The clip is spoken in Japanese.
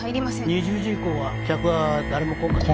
２０時以降は客は誰も来んかった